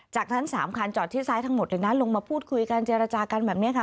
จากนั้น๓คันจอดที่ซ้ายทั้งหมดเลยนะลงมาพูดคุยกันเจรจากันแบบนี้ค่ะ